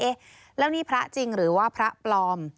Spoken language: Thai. เอ๊ะแล้วนี่พระจริงหรือว่าพระปลอม